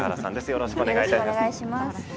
よろしくお願いします。